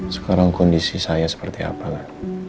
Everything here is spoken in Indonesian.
sekarang kondisi saya seperti apa ren